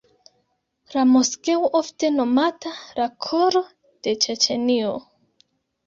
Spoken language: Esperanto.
La moskeo ofte nomata "la koro de Ĉeĉenio".